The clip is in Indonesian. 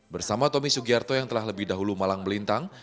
bersama tommy sugiarto yang telah lebih dahulu malang melintang